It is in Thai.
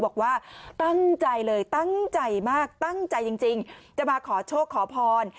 บอกว่าตั้งใจเลยตั้งใจมากตั้งใจจริงจะมาขอโชคขอพร